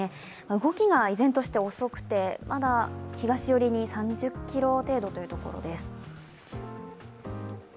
動きが依然として遅くてまだ東寄りに３０ｋｍ程度というところです。